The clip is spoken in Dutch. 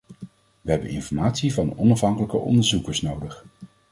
We hebben informatie van onafhankelijke onderzoekers nodig.